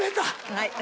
はい。